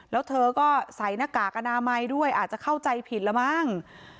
แล้วเธอก็ใส่หน้ากากอนามัยด้วยอาจจะเข้าใจผิดแล้วมั้ง